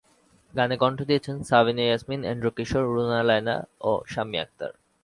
গানে কণ্ঠ দিয়েছেন সাবিনা ইয়াসমিন, এন্ড্রু কিশোর, রুনা লায়লা, ও শাম্মী আখতার।